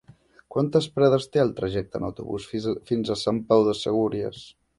Quantes parades té el trajecte en autobús fins a Sant Pau de Segúries?